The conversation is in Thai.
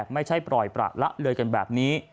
ไม่ใช่ปล่อยประละเลยกันแบบนี้